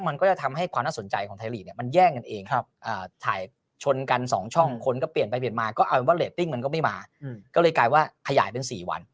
มาก็เอาเหมือนว่าเรตติ้งมันก็ไม่มาอืมก็เลยกลายว่าขยายเป็นสี่วัน